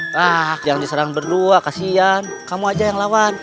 nah jangan diserang berdua kasihan kamu aja yang lawan